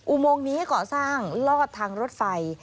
อุโมงนี้ก่อสร้างลอดทางรถไฟ